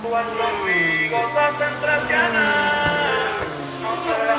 Tanto en como en fue incluido en el tercer equipo All-American.